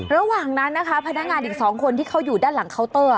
ระหว่างนั้นนะคะพนักงานอีก๒คนที่เขาอยู่ด้านหลังเคาน์เตอร์